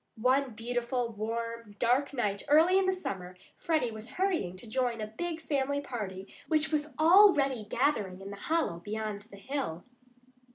One beautiful, warm, dark night early in the summer Freddie was hurrying to join a big family party which was already gathering in the hollow beyond the hill.